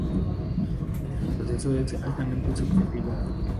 Este proceso es altamente subjetivo.